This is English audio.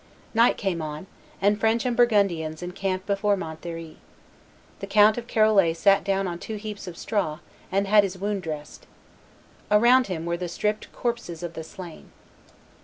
Night came on; and French and Burgundians encamped before Montlhery. The Count of Charolais sat down on two heaps of straw, and had his wound dressed. Around him were the stripped corpses of the slain.